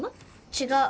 違う。